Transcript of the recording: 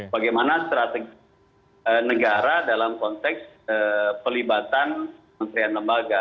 bagaimana strategi negara dalam konteks pelibatan kementerian lembaga